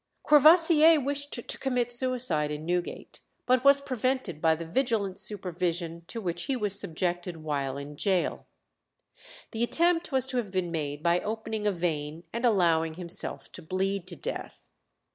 Courvoisier wished to commit suicide in Newgate, but was prevented by the vigilant supervision to which he was subjected while in gaol. The attempt was to have been made by opening a vein and allowing himself to bleed to death.